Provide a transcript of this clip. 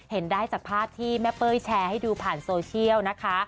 เห็นได้จากภาพที่แม่เป้ยแชร์ให้ดูผ่านโซเชียลนะคะ